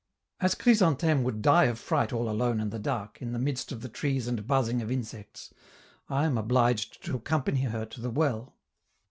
As Chrysantheme would die of fright all alone in the dark, in the midst of the trees and buzzing of insects, I am obliged to accompany her to the well.